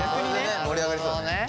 盛り上がりそうだね。